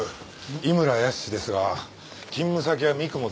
井村泰ですが勤務先は三雲第一商事。